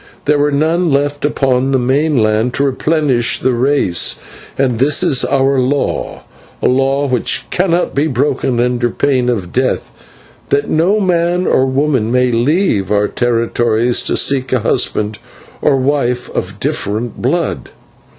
There were none left upon the mainland to replenish the race, and this is our law, a law which cannot be broken under pain of death, that no man or woman may leave our territories to seek a husband or a wife of different blood.